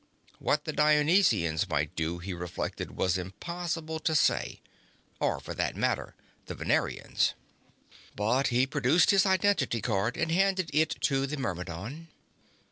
What the Dionysians might do, he reflected, was impossible to say. Or, for that matter, the Venerans. But he produced his identity card and handed it to the Myrmidon.